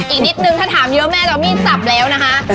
อีกนิดนึงถ้าถามเยอะแม่จะเอามีดสับแล้วนะคะ